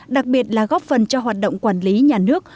đặc biệt là góp phần cho hoạt động quản lý nhà nước